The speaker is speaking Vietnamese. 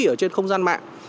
ở trên không gian mạng